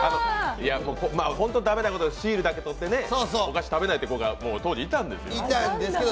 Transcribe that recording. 本当は駄目なこと、シールだけとってお菓子食べないという子が当時いたんですよね。